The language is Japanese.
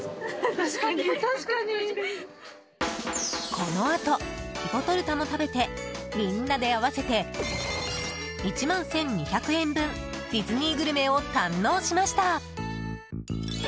このあとティポトルタも食べてみんなで合わせて１万１２００円分ディズニーグルメを堪能しました。